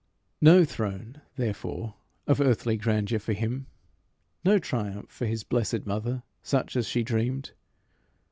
No throne, therefore, of earthly grandeur for him! no triumph for his blessed mother such as she dreamed!